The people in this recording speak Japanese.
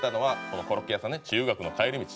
このコロッケ屋さんね「中学の帰り道」。